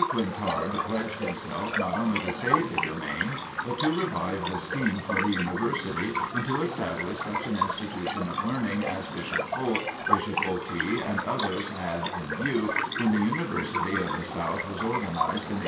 Quintard pledged himself not only to save the domain, but to revive the scheme for the University and to establish such an institution of learning as Bishop Polk, Bishop Otey, and others had in view when The University of the South was organized in 1857.